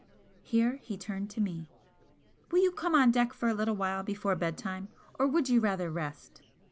Here he turned to me "Will you come on deck for a little while before bedtime, or would you rather rest?"